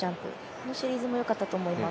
このシリーズも良かったと思います。